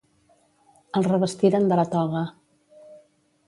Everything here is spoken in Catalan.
El revestiren de la toga.